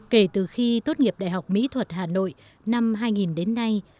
kể từ khi tốt nghiệp đại học mỹ thuật hà nội năm hai nghìn đến nay